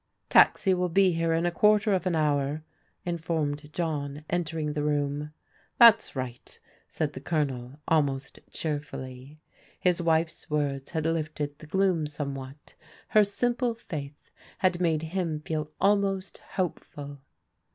" Taxi will be here in a quarter of an hour," informed John entering the room. "That's right," said the Colonel almost cheerfully. His wife's words had lifted the gloom somewhat, her simple faith had made him feel almost hopeful.